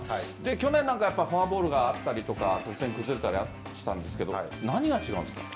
去年はフォアボールがあったり突然、崩れたりしたんですが何が違うんですか？